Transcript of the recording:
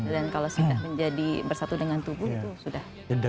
dan kalau sudah menjadi bersatu dengan tubuh itu sudah